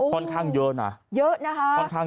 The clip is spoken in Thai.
ค่อนข้างเยอะนะค่ะค่อนข้างเยอะนะ